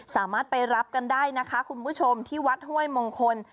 สามารถไปรับกันได้นะคะคุณผู้ชมที่วัดห้วยมงคล